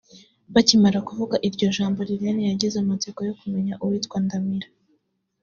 Bakimara kuvuga iryo jambo Liliane yagize amatsiko yo kumenya uwitwa Ndamira